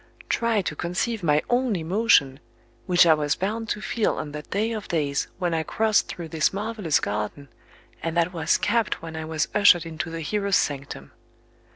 Try to conceive my own emotion, which I was bound to feel on that day of days when I crossed through this marvellous garden, and that was capped when I was ushered into the hero's sanctum.